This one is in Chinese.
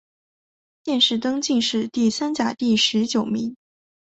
殿试登进士第三甲第十九名。